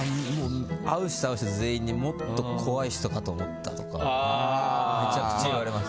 会う人会う人全員にもっと怖い人かと思ったとかめちゃくちゃ言われます。